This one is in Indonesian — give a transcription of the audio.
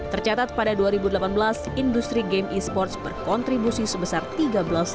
tercatat pada dua ribu delapan belas industri game esports berkontribusi sebesar tiga belas triliun rupiah